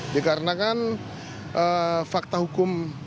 dikarenakan fakta hukum